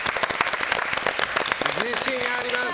自信あります！